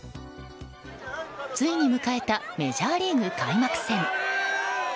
ついに迎えたメジャーリーグ開幕戦。